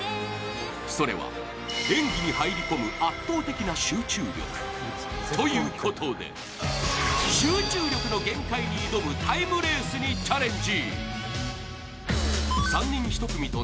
それは演技に入り込む、圧倒的な集中力。ということで、集中力の限界に挑むタイムレースにチャレンジ。